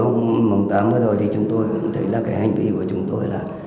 tuổi mùng tám mới rồi thì chúng tôi cũng thấy là cái hành vi của chúng tôi là